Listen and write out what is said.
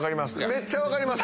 めっちゃ分かります。